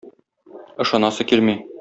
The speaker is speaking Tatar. Ышанасы килми.